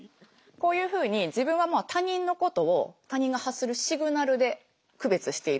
こういうふうに自分はもう他人のことを他人が発するシグナルで区別しているわけですよね。